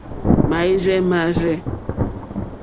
Máɛ́rzɛ̀ mâ rzɛ̂.